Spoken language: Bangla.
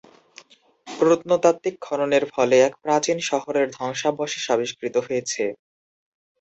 প্রত্নতাত্ত্বিক খননের ফলে এক প্রাচীন শহরের ধ্বংসাবশেষ আবিষ্কৃত হয়েছে।